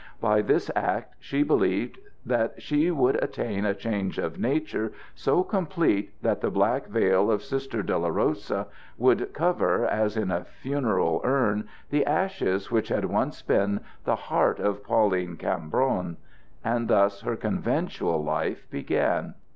By this act she believed that she would attain a change of nature so complete that the black veil of Sister Dolorosa would cover as in a funeral urn the ashes which had once been the heart of Pauline Cambron. And thus her conventual life began.